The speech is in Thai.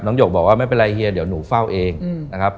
หยกบอกว่าไม่เป็นไรเฮียเดี๋ยวหนูเฝ้าเองนะครับ